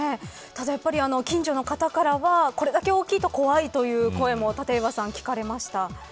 ただやっぱり、近所の方からはこれだけ大きいと怖いという声も立岩さん、聞かれました。